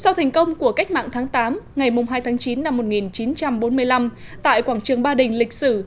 sau thành công của cách mạng tháng tám ngày hai tháng chín năm một nghìn chín trăm bốn mươi năm tại quảng trường ba đình lịch sử